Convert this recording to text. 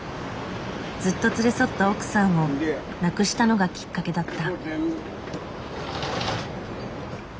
ずっと連れ添った奥さんを亡くしたのがきっかけだった。